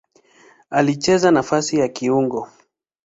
Anacheza nafasi ya kiungo.